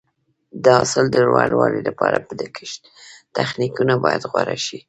د حاصل د لوړوالي لپاره د کښت تخنیکونه باید غوره شي.